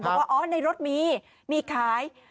บอกว่าอ๋อในรถมีมีขาย